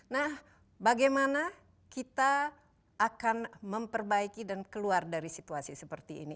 nah bagaimana kita akan memperbaiki dan keluar dari situasi seperti ini